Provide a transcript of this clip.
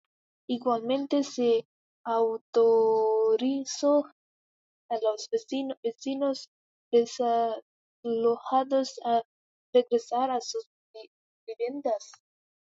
Igualmente, se autorizó a los vecinos desalojados a regresar a sus viviendas.